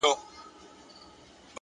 پوه انسان له حقیقت نه تښتي نه!